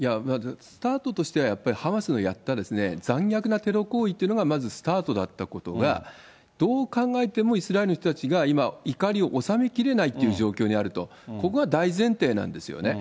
スタートとしてはやっぱりハマスのやった残虐なテロ行為というのがまずスタートだったことが、どう考えてもイスラエルの人たちが今、怒りを収めきれないという状況にあると、ここが大前提なんですよね。